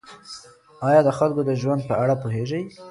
آیا د خلکو د ژوند په اړه پوهېږئ؟